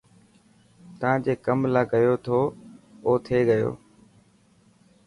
تا جي ڪم لاءِ گيو ٿو او ٿي گيو.